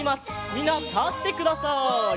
みんなたってください。